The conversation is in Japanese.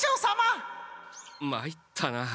まいったな。